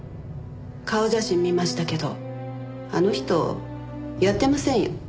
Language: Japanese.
顔写真見ましたけどあの人やってませんよ。